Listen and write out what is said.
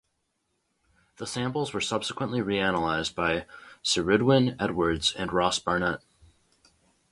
The samples were subsequently re-analysed by Ceiridwen Edwards and Ross Barnett.